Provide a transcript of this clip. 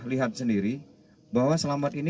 lihat sendiri bahwa selamat ini